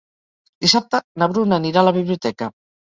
Dissabte na Bruna anirà a la biblioteca.